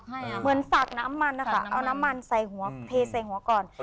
เหมือนสากน้ำมันนะคะเอาน้ำมันใส่หัวเทใส่หัวก่อน